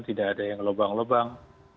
tidak ada yang lubang lubang